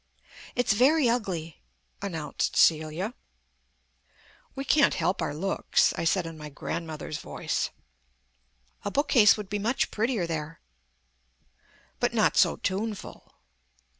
"It's very ugly," announced Celia. "We can't help our looks," I said in my grandmother's voice. "A book case would be much prettier there." "But not so tuneful."